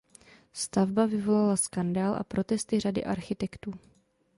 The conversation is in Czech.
Stavba vyvolala skandál a protesty řady architektů.